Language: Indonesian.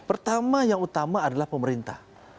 pertama yang utama adalah pemerintah